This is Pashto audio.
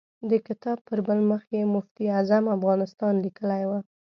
د کتاب پر بل مخ یې مفتي اعظم افغانستان لیکلی و.